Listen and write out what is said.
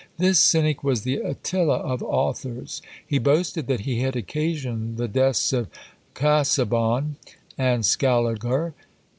This cynic was the Attila of authors. He boasted that he had occasioned the deaths of Casaubon and Scaliger.